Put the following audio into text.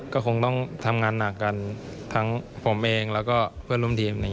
ก็คงต้องทำงานหนักกันทั้งผมเองแล้วก็เพื่อนร่วมทีม